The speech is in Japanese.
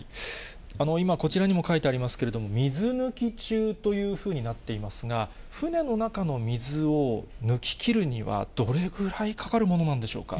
今、こちらにも書いてありますけれども、水抜き中というふうになっていますが、船の中の水を抜き切るにはどれぐらいかかるものなんでしょうか。